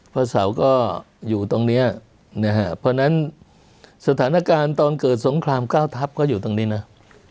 พระเสาก็อยู่ตรงเนี้ยพอนั้นสถานการณ์ตอนเกิดสงคลามก้าวทัพก็อยู่ตรงนี้เนอะ